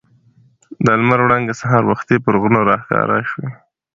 د لمر وړانګې سهار وختي پر غرو راښکاره شوې.